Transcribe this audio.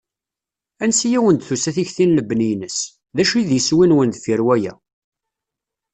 Ansi i awen-d-tusa tikti n lebni-ines? D acu i d iswi-nwen deffir waya?